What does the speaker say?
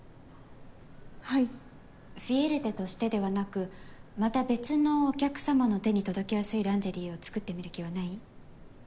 はいフィエルテとしてではなくまた別のお客様の手に届きやすいランジェリーを作ってみる気はない？